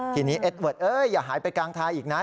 ทีนี้เอ็ดเวิร์ดอย่าหายไปกลางทางอีกนะ